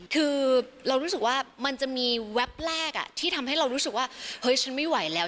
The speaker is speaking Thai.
คือเรารู้สึกว่ามันจะมีแวบแรกที่ทำให้เรารู้สึกว่าเฮ้ยฉันไม่ไหวแล้ว